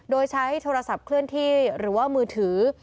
โดยใช้โทรศัพท์เคลื่อนที่หรือว่ามือถือ